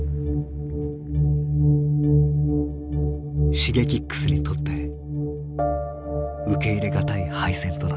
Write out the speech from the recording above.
Ｓｈｉｇｅｋｉｘにとって受け入れがたい敗戦となった。